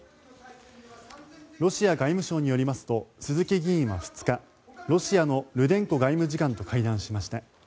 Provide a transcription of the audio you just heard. ロシア外務省によりますと鈴木議員は２日ロシアのルデンコ外務次官と会談しました。